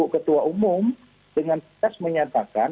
ketua umum dengan tersenyatakan